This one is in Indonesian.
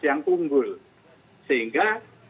yang unggul sehingga